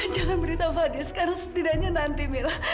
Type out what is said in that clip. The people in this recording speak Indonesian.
jangan beritahu fadil sekarang setidaknya nanti mila